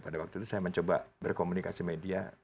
pada waktu itu saya mencoba berkomunikasi media